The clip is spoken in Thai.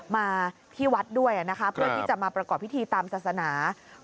มาที่วัดด้วยนะคะเพื่อที่จะมาประกอบพิธีตามศาสนา